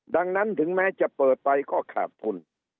ดังนั้นถึงแม้จะเปิดไปก็ขาดทุน